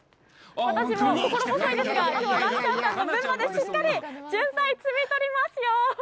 私も心細いですが、きょうはラッシャーさんの分までしっかりジュンサイを摘み取りますよ。